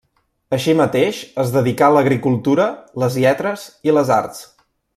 Així mateix, es dedicà a l'agricultura, les lletres i les arts.